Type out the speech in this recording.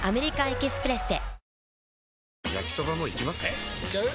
えいっちゃう？